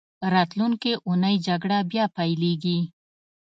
راتلونکې اونۍ جګړه بیا پیلېږي.